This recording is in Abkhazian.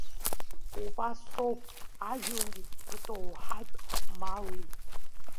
Убасоуп ажәлари рдоуҳатә мали.